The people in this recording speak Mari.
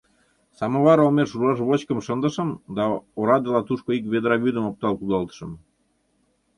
Самовар олмеш руаш вочкым шындышым да орадыла тушко ик ведра вӱдым оптал кудалтышым.